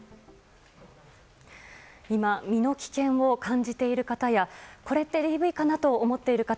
今、身の危険を感じている方やこれってＤＶかなと思っている方